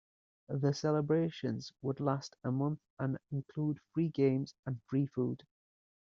The celebrations would last a month and include free games and free food.